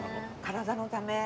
体のため。